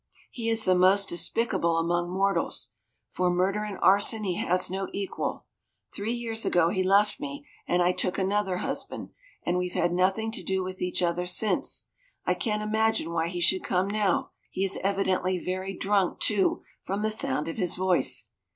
He is the most despicable among mortals. For murder and arson he has no equal. Three years ago he left me and I took another husband, and we've had nothing to do with each other since. I can't imagine why he should come now. He is evidently very drunk, too, from the sound of his voice.